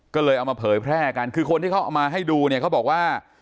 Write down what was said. ก็เลยเอามาเผยแพร่กันคือคนที่เขาเอามาให้ดูเนี่ยเขาบอกว่า